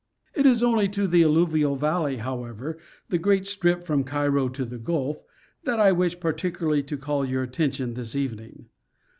It is only to the alluvial valley, however, the great strip from Cairo to the Gulf, that I wish particularly to call your attention this even ing.